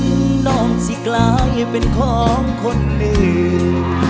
ถึงน้องสิกลายเป็นของคนอื่น